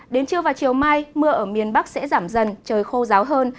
đến trưa và chiều mai mưa ở miền bắc sẽ giảm dần trời khô ráo hơn